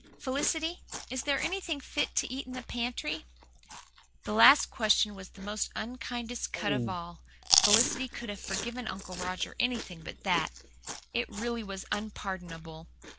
Felicity, is there anything fit to eat in the pantry?" That last question was the most unkindest cut of all. Felicity could have forgiven Uncle Roger anything but that. It really was unpardonable.